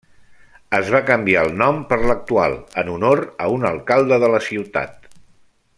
Es va canviar el nom per l'actual en honor a un alcalde de la ciutat.